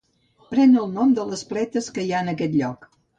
Pren el nom de les pletes que hi ha en aquest lloc.